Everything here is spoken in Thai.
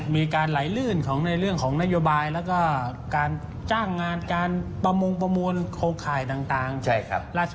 มีการไหลลื่นในเรื่องของนโยบายแล้วก็การจ้างงานประมวลโครคไขเฉพาะ